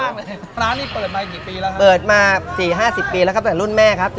เกิดไปเกี่ยวกับเราแล้วครับ